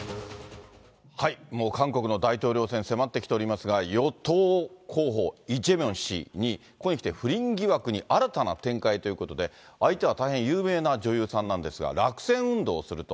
もう韓国の大統領選、迫ってきておりますが、与党候補、イ・ジェミョン氏にここにきて不倫疑惑に新たな展開ということで、相手は大変有名な女優さんなんですが、落選運動をすると。